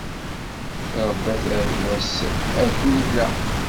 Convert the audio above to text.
Trebba tarwa-s akken ilaq.